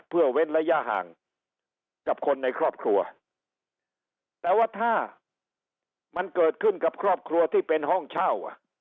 เพื่อเว้นระยะห่างกับคนในครอบครัวแต่ว่าถ้ามันเกิดขึ้นกับครอบครัวที่เป็นห้องเช่าอ่ะ